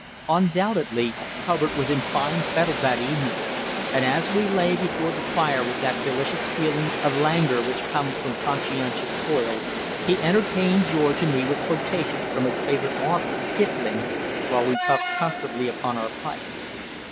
Undoubtedly Hubbard was in fine fettle that evening, and as we lay before the fire with that delicious feeling of languor which comes from conscientious toil, he entertained George and me with quotations from his favourite author, Kipling, while we puffed comfortably upon our pipes.